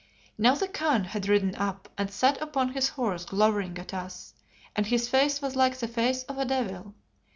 Now the Khan had ridden up and sat upon his horse glowering at us, and his face was like the face of a devil.